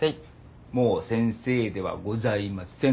もう先生ではございません。